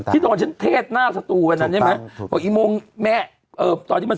ที่ตอนฉันทรวงตัวกลุ่มหน้าสตูเดี๋ยวนะเนี้ยไหมอ่ะตัวที่มัน